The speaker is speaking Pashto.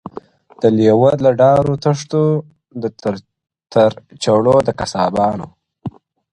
د لېوه له داړو تښتو تر چړو د قصابانو -